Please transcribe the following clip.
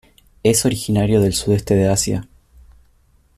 Es originario del Sudeste de Asia.